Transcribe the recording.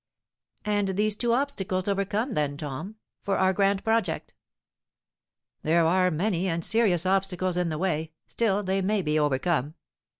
"And these two obstacles overcome, then, Tom, for our grand project." "There are many, and serious obstacles in the way; still, they may be overcome."